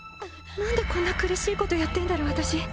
何でこんな苦しいことやってんだろ私。